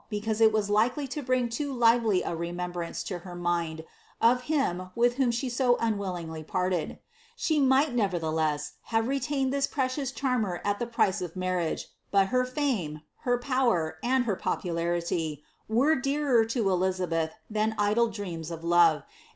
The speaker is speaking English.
because it was likeljr bring loo lively a rememhrance lo her mind of him wilh whom ttM unwillingly parted. She Diighi, nevcrllieless, have letaiaed ihis precM cliarmer ai the price of ninrrisge; bul her fame, her power, and J pnpularily, were dearer lo Elizabeth than idle dreams of love, and!